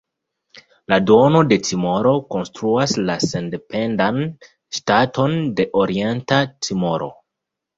La duono de Timoro konstituas la sendependan ŝtaton de Orienta Timoro.